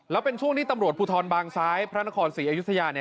แล้วเป็นช่วงที่ตัมโหลดภูทธรปากซ้ายพระละสีอายุธยา